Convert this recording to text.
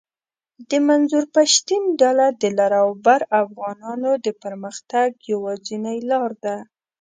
د منظور پشتین ډله د لر اوبر افغانانو د پرمختګ یواځنۍ لار ده